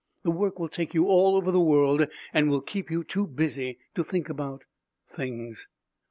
The work will take you all over the world and will keep you too busy to think about things."